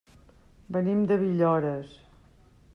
Venim de Villores.